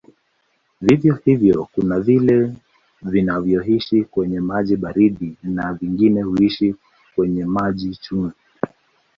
Vivyo hivyo kuna vile vinavyoishi kwenye maji baridi na vingine huishi kwenye maji chumvi